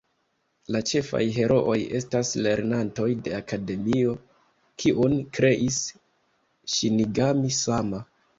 La ĉefaj herooj estas lernantoj de Akademio, kiun kreis Ŝinigami-sama.